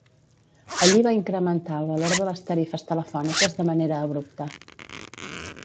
Allí va incrementar el valor de les tarifes telefòniques de manera abrupta.